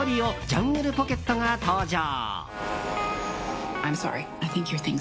ジャングルポケットが登場。